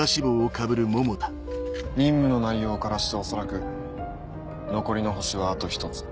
任務の内容からして恐らく残りの星はあと１つ。